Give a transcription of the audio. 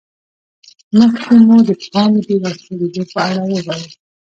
مخکې مو د پانګې د راټولېدو په اړه وویل